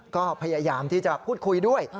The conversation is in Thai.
ก็พยายามที่จะพูดคุยด้วย